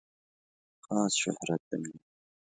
خاص شهرت درلود.